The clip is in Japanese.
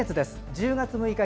１０月６日